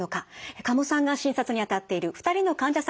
加茂さんが診察に当たっている２人の患者さんを例にご紹介します。